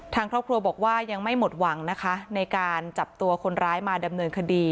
ทางครอบครัวบอกว่ายังไม่หมดหวังนะคะในการจับตัวคนร้ายมาดำเนินคดี